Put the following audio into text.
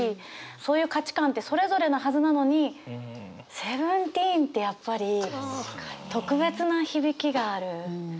そういう価値観ってそれぞれのはずなのにセブンティーンってやっぱり特別な響きがある。